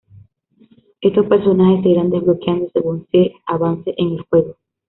Estos personajes se irán desbloqueando según se avance en el juego.